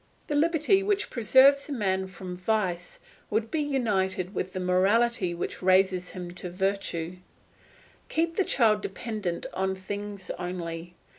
The liberty which preserves a man from vice would be united with the morality which raises him to virtue. Keep the child dependent on things only.